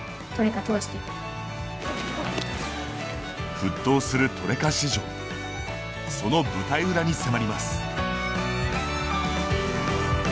沸騰するトレカ市場その舞台裏に迫ります。